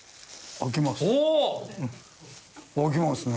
開きますね。